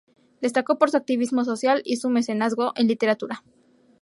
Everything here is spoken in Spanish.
Destacó por su activismo social y su mecenazgo en literatura.